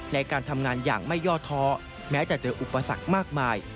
ในการทำงานอย่างไม่ย่อท้อแม้จะเจออุปสรรคมากมาย